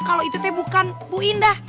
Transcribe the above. kalau itu teh bukan bu indah